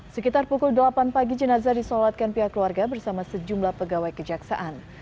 sekitar pukul delapan pagi jenazah disolatkan pihak keluarga bersama sejumlah pegawai kejaksaan